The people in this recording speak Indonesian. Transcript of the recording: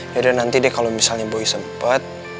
yaudah nanti deh kalau misalnya boy sempat